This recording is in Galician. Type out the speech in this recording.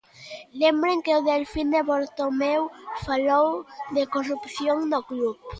Lembren que o delfín de Bartomeu falou de corrupción no club.